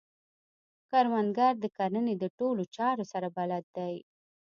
کروندګر د کرنې د ټولو چارو سره بلد دی